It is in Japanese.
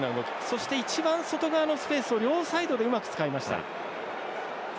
そして、一番外側のスペースを両サイドで、うまく使いました。